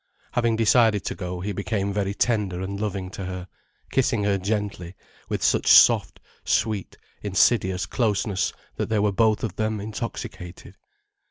Having decided to go he became very tender and loving to her, kissing her gently, with such soft, sweet, insidious closeness that they were both of them intoxicated.